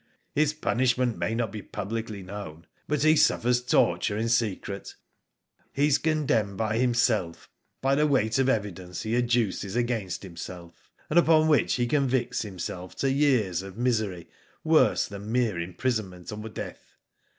His punishment may not be publicly known, but he suffers torture in secret, he is condemned by himself by the weight of evidence he adduces against himself, and upon which he convicts him self to years of misery worse than mere imprison ment or death.